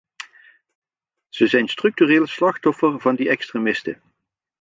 Ze zijn structureel slachtoffer van die extremisten.